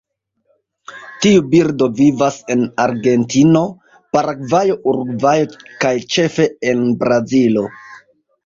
Tiu birdo vivas en Argentino, Paragvajo, Urugvajo kaj ĉefe en Brazilo.